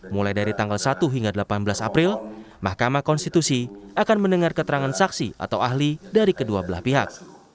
mulai dari tanggal satu hingga delapan belas april mahkamah konstitusi akan mendengar keterangan saksi atau ahli dari kedua belah pihak